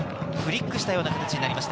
フリークしたような形になりました。